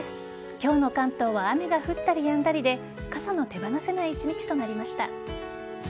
今日の関東は雨が降ったりやんだりで傘の手放せない一日となりました。